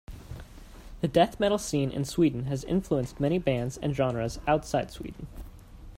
The death metal scene in Sweden has influenced many bands and genres outside Sweden.